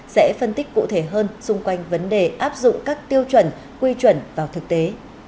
sẽ phân tích cụ thể hơn xung quanh vấn đề áp dụng các tiêu chuẩn quy chuẩn vào thực tế